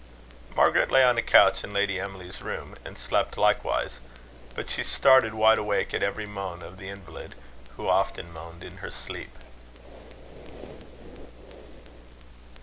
Margaret lay on a couch in Lady Emily's room, and slept likewise; but she started wide awake at every moan of the invalid, who often moaned in her sleep.